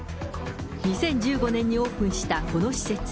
２０１５年にオープンしたこの施設。